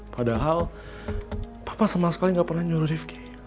padahal papa sama sekali gak pernah nyuruh rifki